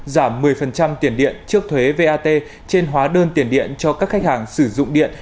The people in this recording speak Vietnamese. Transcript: giảm một mươi tiền điện trước thuế vat trên hóa đơn tiền điện cho các khách hàng sử dụng điện